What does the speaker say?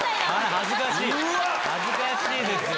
恥ずかしいですよ。